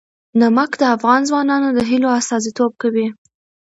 نمک د افغان ځوانانو د هیلو استازیتوب کوي.